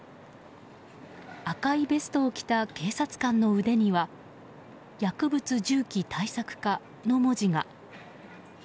赤いベストを着た警察官の腕には薬物銃器対策課の文字が。